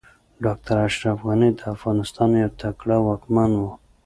ډاکټر اشرف غني د افغانستان يو تکړه واکمن و